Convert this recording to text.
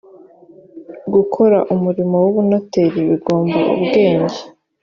gukora umurimo w ‘ubunoteri bigomba ubwenge.